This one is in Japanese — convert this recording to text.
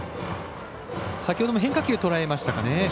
先ほども変化球とらえましたかね。